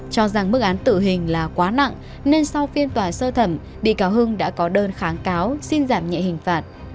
cho rằng mức án tử hình là quá nặng nên sau phiên tòa sơ thẩm bị cáo hưng đã có đơn kháng cáo xin giảm nhẹ hình phạt